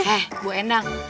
eh bu endang